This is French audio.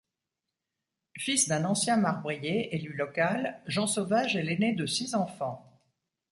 Fils d'un ancien marbrier, élu local, Jean Sauvage est l’aîné de six enfants.